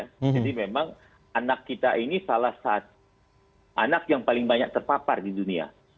jadi memang anak kita ini salah satu anak yang paling banyak terpapar di dunia